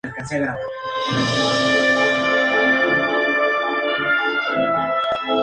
Además, don Domingo es leal vasallo y súbdito orgulloso del rey Alfonso.